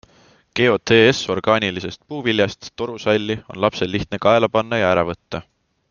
GOTS orgaanilisest puuvillast torusalli on lapsel lihtne kaela panna ja ära võtta.